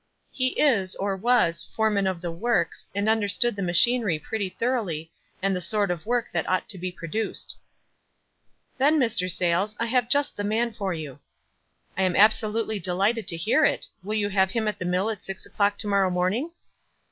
"He is, or was, foreman of the works, and understood the machinery pretty thoroughly, and the sort of work that ought to be pro duced." "Then, Mr. Sayles, I have just the man for you." " I am absolutely delighted to hear it. Will you have him at the mill at six o'clock to morrow morning